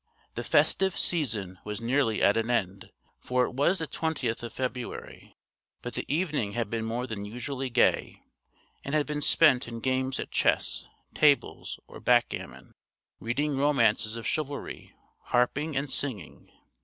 The festive season was nearly at an end, for it was the 20th of February, but the evening had been more than usually gay, and had been spent in games at chess, tables, or backgammon, reading romances of chivalry, harping and singing.